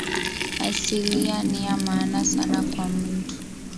Asilia niya maana sana kwa muntu